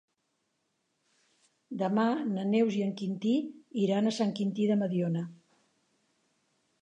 Demà na Neus i en Quintí iran a Sant Quintí de Mediona.